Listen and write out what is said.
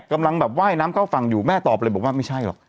กำลังแบบว่ายน้ำเข้าฝั่งอยู่แม่ตอบเลยบอกว่าไม่ใช่หรอก